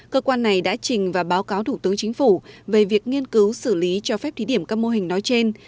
cơ quan này đã trình và báo cáo thủ tướng chính phủ về việc nghiên cứu xử lý cho phép thí điểm các mô hình nói trên